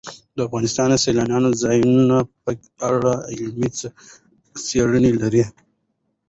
افغانستان د سیلانی ځایونه په اړه علمي څېړنې لري.